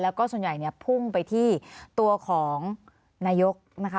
แล้วก็ส่วนใหญ่เนี่ยพุ่งไปที่ตัวของนายกนะคะ